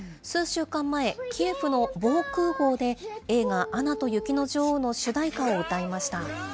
数週間前、キエフの防空ごうで、映画、アナと雪の女王の主題歌を歌いました。